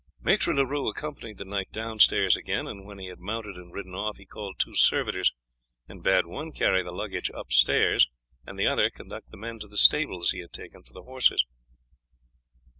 Maître Leroux accompanied the knight downstairs again, and when he had mounted and ridden off he called two servitors, and bade one carry the luggage upstairs, and the other conduct the men to the stables he had taken for the horses.